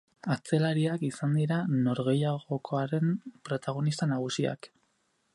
Atzelariak izan dira norgehiagokaren protagonista nagusiak.